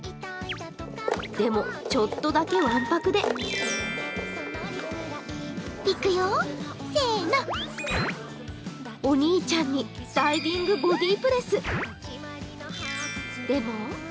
でも、ちょっとだけわんぱくでお兄ちゃんにダイビングボディプレス。